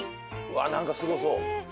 うわ何かすごそう。